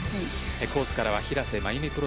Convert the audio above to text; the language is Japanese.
コースからは平瀬真由美